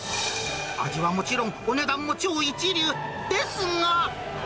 味はもちろん、お値段も超一流ですが。